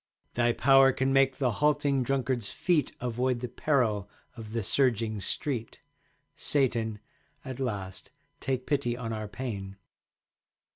Thy power can make the halting Drunkard's feet Avoid the peril of the surging street. Satan, at last take pity on our pain.